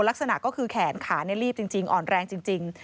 ลักษณะก็คือแขนขาลีบจริงอ่อนแรงจริง